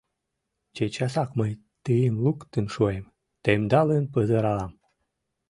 Чечасак мый тыйым луктын шуэм, темдалын пызыралам.